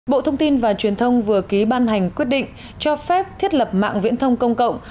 bộ thông tin và truyền thông vừa ký ban hành quyết định cho phép thiết lập mạng viễn thông công cộng